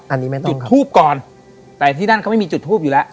อันนี้ไม่ต้องครับจุดภูมิก่อนแต่ที่ด้านเขาไม่มีจุดภูมิอยู่แล้ว